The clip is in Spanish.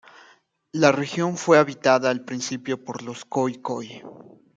La región fue habitada al principio por los khoikhoi.